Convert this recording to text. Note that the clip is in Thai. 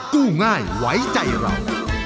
กู้ง่ายไว้ใจเรา